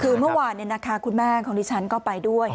คือเมื่อวานคุณแม่ของดิฉันก็ไปด้วย